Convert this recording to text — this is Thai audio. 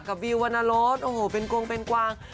กับวิววรรณลดโอ้โหเป็นกว้าง